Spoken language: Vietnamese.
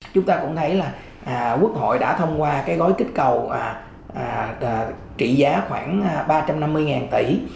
chúng ta cũng thấy là quốc hội đã thông qua cái gói kích cầu trị giá khoảng ba trăm năm mươi tỷ